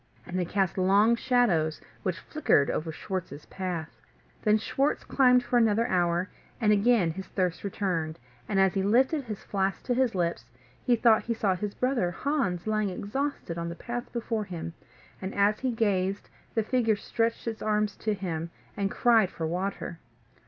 And they cast long shadows, which flickered over Schwartz's path. Then Schwartz climbed for another hour, and again his thirst returned; and as he lifted his flask to his lips, he thought he saw his brother Hans lying exhausted on the path before him; and, as he gazed, the figure stretched its arms to him, and cried for water.